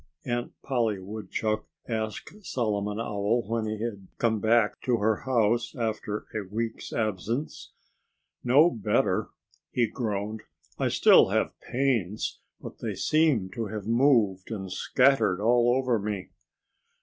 Aunt Polly Woodchuck asked Solomon Owl, when he had come back to her house after a week's absence. "No better!" he groaned. "I still have pains. But they seem to have moved and scattered all over me."